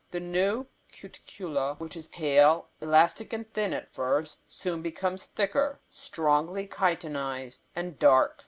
The new cuticula, which is pale, elastic and thin at first, soon becomes thicker, strongly chitinized and dark.